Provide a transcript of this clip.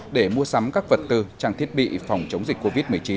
để mua sắm các vật tư trang thiết bị phòng chống dịch covid một mươi chín